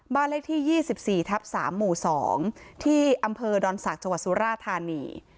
บ้านเลขที่ยี่สิบสี่ทับสามหมู่สองที่อำเภอดอนศักดิ์จังหวัดสุราธารณี